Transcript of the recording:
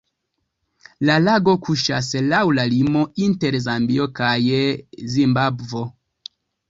La lago kuŝas laŭ la limo inter Zambio kaj Zimbabvo.